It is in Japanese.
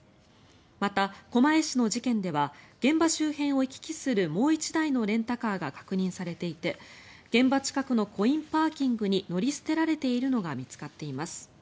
また狛江市の事件では現場周辺を行き来するもう１台のレンタカーが確認されていて現場近くのコインパーキングに乗り捨てられているのが見つかっています。